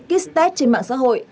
kích test trên mạng xã hội